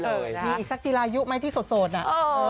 มีอีกสักจีรายุไหมที่โสดน่ะ